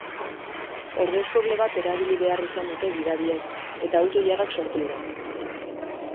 Ordezko bide bat erabili behar izan dute gidariek, eta auto-ilarak sortu dira.